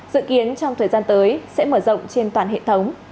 dự kiến trong thời gian tới sẽ mở rộng trên toàn hệ thống